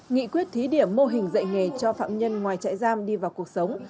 nghị quyết thí điểm mô hình dạy nghề cho phạm nhân ngoài trại giam đi vào cuộc sống